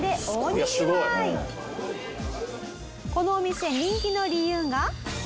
このお店人気の理由が。